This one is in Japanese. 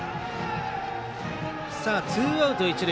ツーアウト一塁。